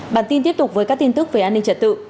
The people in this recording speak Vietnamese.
bản tin tiếp tục với các tin tức về an ninh trật tự